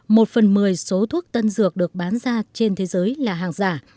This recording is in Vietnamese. một phần mười số thuốc tân dược được bán ra trên thế giới là hàng giả